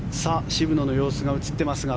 渋野の様子が映っていますが